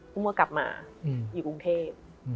เมื่อกลับมาอยู่กรุงเทพ